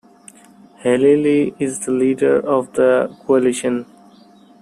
Halili is the leader of the coalition.